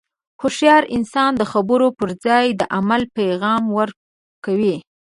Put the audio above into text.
هوښیار انسان د خبرو پر ځای د عمل پیغام ورکوي.